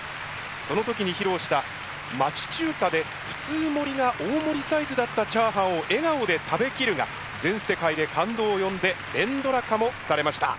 その時に披露した「町中華で普通盛りが大盛りサイズだったチャーハンを笑顔で食べきる」が全世界で感動を呼んで連ドラ化もされました。